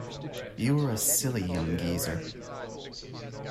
You are a silly young geezer.